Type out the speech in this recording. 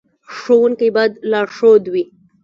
ښوونکی باید لارښود وي